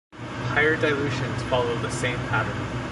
Higher dilutions follow the same pattern.